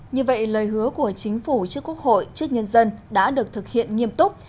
như vậy lời hứa của chính phủ trước quốc hội trước nhân dân đã được thực hiện nghiêm túc